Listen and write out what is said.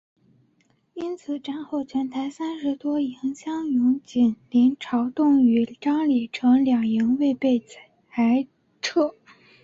因此战后全台三十多营乡勇仅林朝栋与张李成两营未被裁撤。